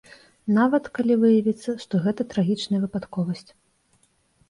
Нават калі выявіцца, што гэта трагічная выпадковасць.